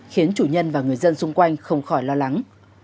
khiến chủ nhân và người dân xung quanh không khỏi lo lắng